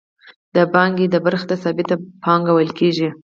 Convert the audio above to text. د پانګې دې برخې ته ثابته پانګه ویل کېږي